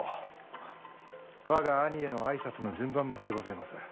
我が兄への挨拶の順番待ちでごぜます。